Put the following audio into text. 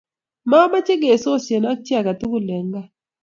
Mameche kesosie ak chi age tugul eng' gaa